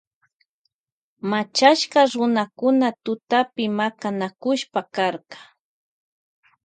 Machashka runakuna tutapi makanakushpa karka.